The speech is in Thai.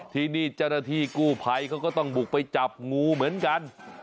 ที่นี่เจ้าหน้าที่กู้ภัยเขาก็ต้องบุกไปจับงูเหมือนกัน